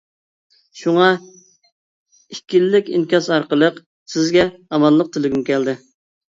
شۇڭا ئىككىلىك ئىنكاس ئارقىلىق سىزگە ئامانلىق تىلىگۈم كەلدى.